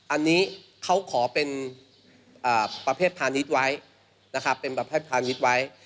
อันนี้เขาขอเป็นประเภทพาณิชย์ไว้นะครับเป็นประเภทพาณิชย์ไว้